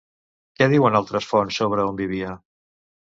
Què diuen altres fonts sobre on vivia?